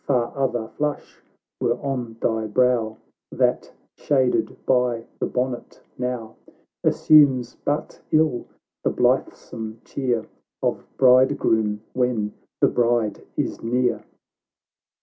I'ar other flush were on thy brow, That, shaded by the bonnet, now Assumes but ill the blithesome cheer Of bridegroom when the bride is near